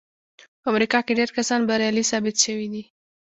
په امريکا کې ډېر کسان بريالي ثابت شوي دي.